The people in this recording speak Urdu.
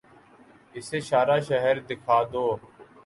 اسے سارا شہر دکھا دو